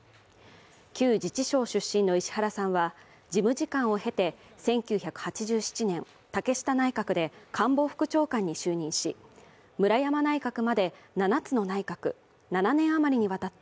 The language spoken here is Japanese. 旧自治省出身の石原さんは、事務次官を経て１９８７年竹下内閣で官房副長官に就任し村山内閣まで７つの内閣、７年余りにわたって